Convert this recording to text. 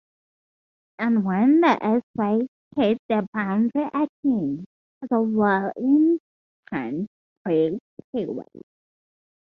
And when the S-waves hit the boundary again they will in turn create P-waves.